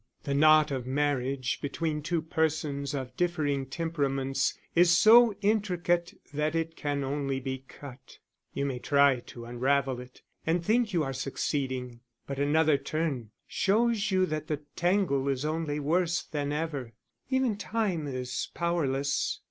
The knot of marriage between two persons of differing temperaments is so intricate that it can only be cut: you may try to unravel it, and think you are succeeding, but another turn shows you that the tangle is only worse than ever. Even time is powerless.